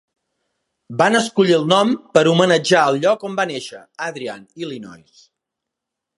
Van escollir el nom per homenatjar el lloc on va néixer, Adrian, Illinois.